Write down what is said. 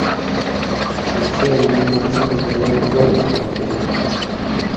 پیݜیلوۡ لُوں ماݜی مہ گلے ایک زوڑہۡ مہ پلٹے